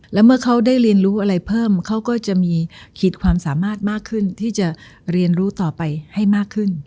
แล้วเมื่อเขาได้เรียนรู้อะไรเพิ่มเขาก็จะมีขีดความสามารถมากขึ้นที่จะเรียนรู้ต่อไปให้มากขึ้น